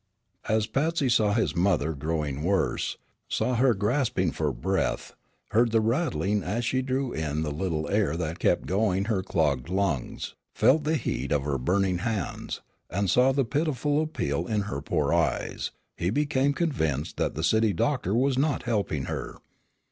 As Patsy saw his mother growing worse, saw her gasping for breath, heard the rattling as she drew in the little air that kept going her clogged lungs, felt the heat of her burning hands, and saw the pitiful appeal in her poor eyes, he became convinced that the city doctor was not helping her.